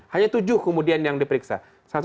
hanya tujuh kemudian yang diperiksa